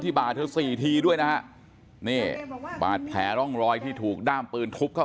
บ่าเธอสี่ทีด้วยนะฮะนี่บาดแผลร่องรอยที่ถูกด้ามปืนทุบเข้า